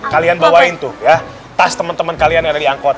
kalian bawain tuh ya tas teman teman kalian yang ada di angkot